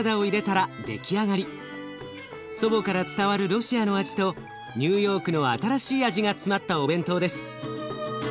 祖母から伝わるロシアの味とニューヨークの新しい味が詰まったお弁当です。